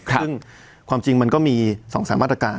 ซึ่งความจริงมันก็มี๒๓มาตรการ